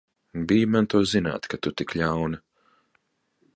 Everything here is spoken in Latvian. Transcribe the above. Bij man to zināt, ka tu tik ļauna!